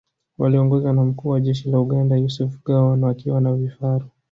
Waliongozwa na Mkuu wa Jeshi la Uganda Yusuf Gowon wakiwa na vifaru